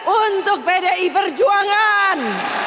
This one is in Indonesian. untuk pdi perjuangan